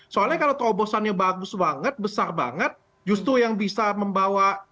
soalnya kalau terobosannya bagus banget besar banget justru yang bisa membawa